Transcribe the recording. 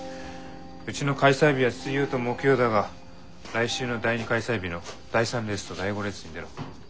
うちの開催日は水曜と木曜だが来週の第２開催日の第３レースと第５レースに出ろ。